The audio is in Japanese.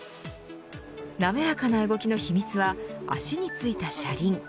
滑らかな動きの秘密は足についた車輪。